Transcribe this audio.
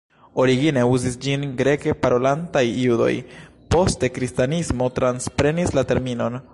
Origine uzis ĝin Greke-parolantaj Judoj, poste Kristanismo transprenis la terminon.